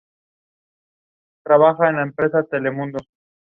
No obstante, no lo hizo y nadie más se unió a ellos tampoco.